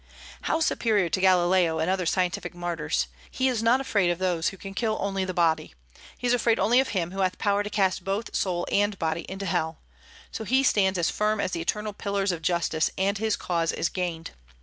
How superior to Galileo and other scientific martyrs! He is not afraid of those who can kill only the body; he is afraid only of Him who hath power to cast both soul and body into hell. So he stands as firm as the eternal pillars of justice, and his cause is gained.